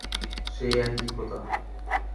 সেই একই ক্ষুধা।